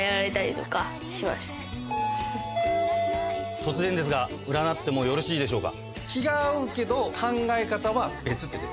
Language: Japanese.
突然ですが占ってもよろしいでしょうか？